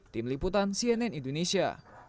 tim liputan cnn indonesia